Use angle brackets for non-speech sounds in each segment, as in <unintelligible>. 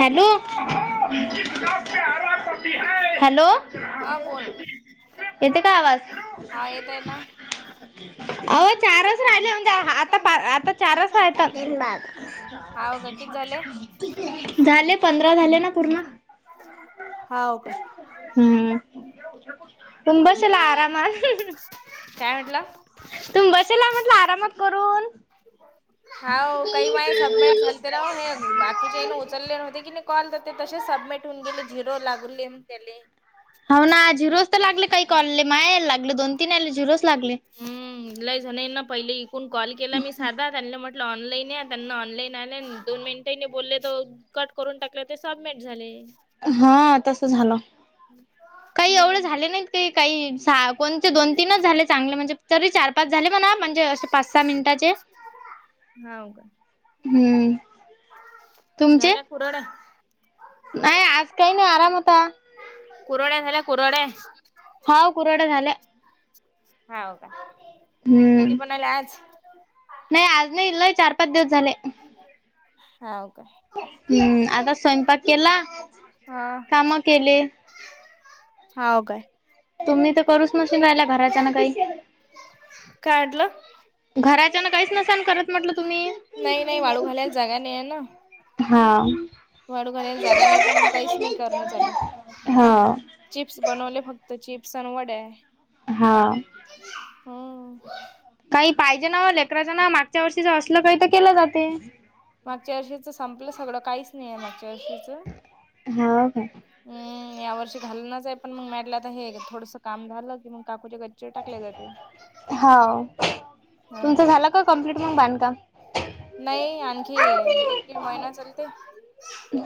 Hello hello हा बोल येते का आवाज? हा येत आहे ना अवं चारच राहिले म्हणजे आता पा आता चारच रायतात. हाव का किती झाले? झाले पंधरा झाले ना पूर्ण, हाव काय? हम्म तुम्ही बसेल आहे आरामात. काय म्हटलं? तुम्ही बसेल आहे म्हटलं आरामात करून. हाव काही वाय सबमिट झालते ना ओ हे बात बाकीच्याने उचलले नव्हते की नाही कॉल, तर ते तसेच सबमिट होऊन गेले झिरो लागलेन त्याले. हाव ना झिरोच तर लागले काही कॉल ले माया ह्याल लागले दोन तीन याले झिरोच लागले. हम्म लय जणांना पाहिले इकूण कॉल केला मी साधा त्यांना म्हट लं ऑनलाईन या त्यांना ऑनलाईन आले आणि दोनमिनट ही नाही बोलले तो कट करून टाकले ते सबमिट झाले. हा तस झालं काही एवढे हम्म. झाले नाही ते काही सहा कोणते दोन तीनच झाले चांगले म्हणजे तरी चार पाच झाले म्हणा म्हणजे अशे पाच सहा मिनिटाचे. हाव का हम्म, तुमचे? <unintelligible> नाही आज काही नाही आराम होता. कुरड्या झाल्या, कुरड्या? हाव कुरड्या झाल्या. हाव का. कधी हं, बनवलं आज? नही आज नाही लैई चार, पाच दिवस झाले. हाव का. ह्म्म, आता स्वयंपाक केला, हा. काम केली. हाव काय? तुम्ही तर करूच नसशीनं राहिला घरातल्यांना काही? काय आटल? घराच्यान काहीच नसानं करत म्हटलं तुम्ही? नही -नही वाळू घालायला जागा नही ये ना. हा. वाळु घालायला जागा नाही ये, तर मग काहीच नाही करणं झाल. हा चिप्स बनवले फक्त, चिप्स अन् वड्या. हा, हो. काही पाहिजे ना व लेकरांच्यान मागच्या वर्षी जर असलं काही तर केलं जाते. मागच्या वर्षीच संपलं सगळं काहीच नही ये, मागच्या वर्षीच हाव काय? हम्म, या वर्षी घालणचं आहे पण मग म्हटलं आता हे थोडसं काम झालं कि मग काकूच्या घरी चे टाकल्या जाते. हो ह तुमचं झालं का कम्प्लीट मग बांधकाम? नाही आणखी एक, दिड महिना चालते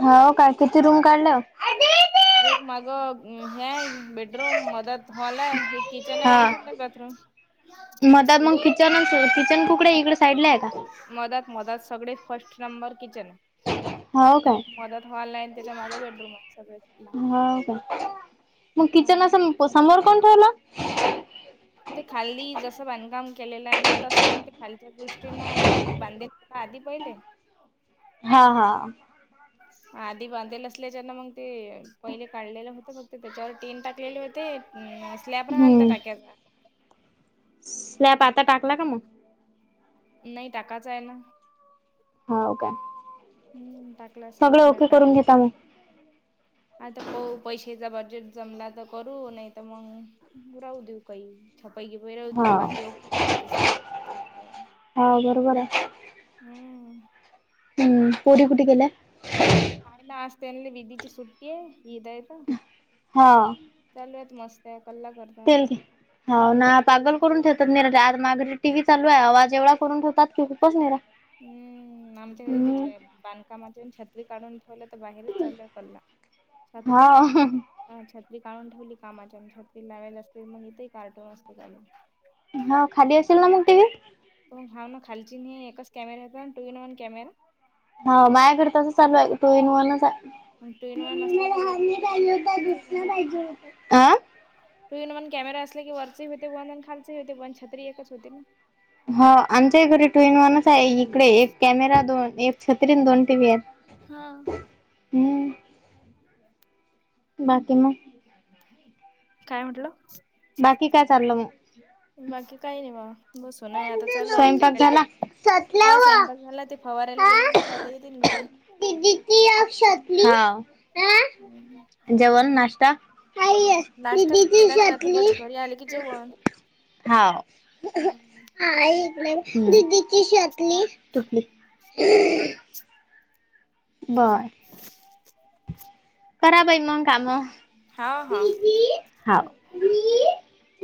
हो का किती रूम काढलं एक माग हे हाय बेडरूम, मधात हॉल आहे. किचन आहे अन् संडास बाथरूम तर मग किचन, किचन कुकडे इकडे साईड ला आहे का? मधात- मधात सगळे फर्स्ट नंबर किचन आहे. हो काय? मधात हॉल आहे अन् त्याच्या मागं बेडरूम आहे सगळे हाव का, मग किचन हम्म. असं समोर काहून ठेवला? ते खाली जसं बांधकाम केलेलं आहे ना, तसं मग ते खालच्या दृष्टीनं वर बांधले. आधी पहिले हा -हा. आधी बांधलेले असल्याच्यानं मग ते पहिले काढलेलं होत, फक्त त्याच्यावर तिन टाकलेले होते. आणि स्लॅब राहालता टाक्याचा स्लॅप आता टाकला का म? नही टाकाचा ये ना. हाव का? हम्म टाकलाच नही, स्लॅब टाका मग. आता पाहू पैशाचा बजेट जमला तर करू, नाही त मगं राहू देऊ काही छप्पर- गिपर राहू देऊ हा. बाकी ते ओके केलय ते सारं हाव बरोबर ये. हम्म, हम्म, पोरी कुठे गेल्या हाये ना आज त्यांना इदीची सुट्टी ये, ईद हाये त. हा. चालूयेत मस्त आहे, कल्ला करत तेल दे. हो व ना पागल करून ठेवतात, निरजा आरं मागं टीव्ही चालू आहे. आवाज एवढा करून ठेवतात की खूपच निरा हम्म, आमच्या घरी तेच हम्म. आहे. बांधकामाच्यानं छत्री काढून ठेवली कल्ला तर बाहेरच चालूय कल्ला, सातळीत हा हा, छत्री काढून ठेवली कामाच्याहेनं. छत्री लावाले असती तर, मग इथेही कार्टून असते चालू. हा, खाली असेल ना मग टिवी? हाव ना खालची अन ही एकच कॅमेरा हाय ना, टू इन वन कॅमेरा. हाव माझ्याकडे तसंच चालू आहे, टु इन वनच आहे. अन टु इन वन असलं कि, लहान वरचही बंद पाहिजे होतंय होता अन खालचं ही बंद दुसरा होतंय. पाहिजे होता. अ टू इन वन कॅमेरा असला की, वरचेही होते बंद खालचहि होते बंद. छत्री एकच होते ना. हो, आमच्याही घरी टु इन वनच आहे. इकडे एक कॅमेरा, दोन एक छत्री दोन टीव्ही आहेत. हा. हम्. बाकी मग? काय म्हटलं? बाकी काय चाललंय म? बाकी काही नाही बघा. बसूनय आता, चालू आहे एका स्वयंपाक एकाचे. झाला. हा, सतलाव सैंपाक झाला ते फवार्याला गेली हा ना, आता येतीन घरी. दिदीची या शतली? हाव. हा. जेवण, नाश्ता? हाय यं. नाश्ता दिदीची केला नाही आता शतली? बस घरी आले की जेवण. हाव. हम्म. आई, इकडे ये. दिदीची शतली? तुटली. बरं. <unintelligible> करा बाई, मंग कामं. हा हा. मी